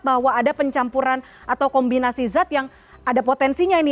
bahwa ada pencampuran atau kombinasi zat yang ada potensinya ini